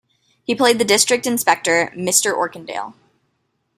He played the district inspector, Mr Orkindale.